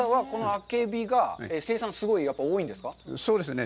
そうですね。